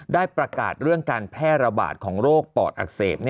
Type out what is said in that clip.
ได้ประกาศเรื่องการแพร่ระบาดของโรคปอดอักเสบ